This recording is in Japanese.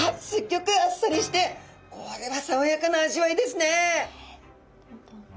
ギョくあっさりしてこれはさわやかな味わいですね！